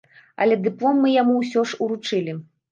Але дыплом мы яму ўсё ж уручылі.